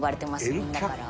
みんなからは。